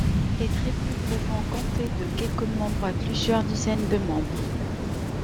Les tribus pouvant compter de quelques membres à plusieurs dizaines de membres.